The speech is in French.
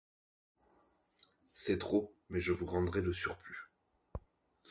C’est trop, mais je vous rendrai le surplus.